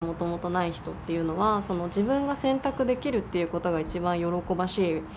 私みたいな子宮がもともとない人っていうのは、自分が選択できるっていうことが一番喜ばしい。